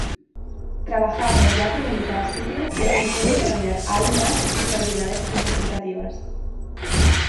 Trabajar en el Teatro Militar sirio le permitió desarrollar aún más sus habilidades interpretativas.